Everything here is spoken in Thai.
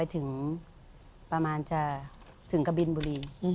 ถึงกะบินบุรี